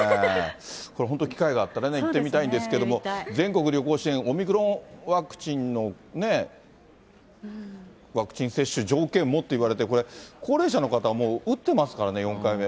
これ、本当、機会があったら行ってみたいんですけども、全国旅行支援、オミクロンワクチンのワクチン接種、条件もって言われて、これ、高齢者の方は、もう打ってますからね、４回目。